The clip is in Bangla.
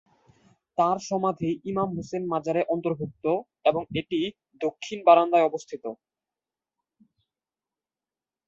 তাঁর সমাধি ইমাম হুসেন মাজারে অন্তর্ভুক্ত এবং এটি দক্ষিণ বারান্দায় অবস্থিত।